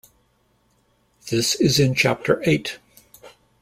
This is in Chapter Eight.